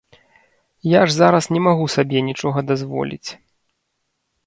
Я ж зараз не магу сабе нічога дазволіць.